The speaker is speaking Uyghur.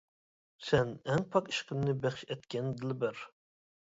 سەن ئەڭ پاك ئىشقىمنى بەخش ئەتكەن دىلبەر.